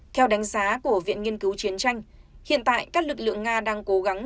theo đánh giá của viện nghiên cứu chiến tranh hiện tại các lực lượng nga đang cố gắng